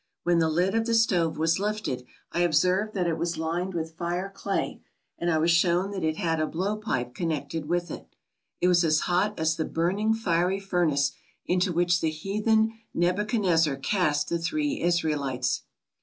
When the lid of the stove was lifted I observed that it was lined with fire clay, and I was shown that it had a blowpipe connected with it. It was as hot as the "burning fiery furnace*' into which the heathen Nebu chadnezzar cast the three Israelites.